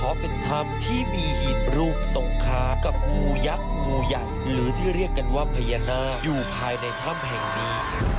เป็นถ้ำที่มีหีบรูปสงขากับงูยักษ์งูใหญ่หรือที่เรียกกันว่าพญานาคอยู่ภายในถ้ำแห่งนี้